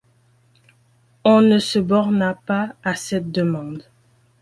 On ne se borna pas à cette demande.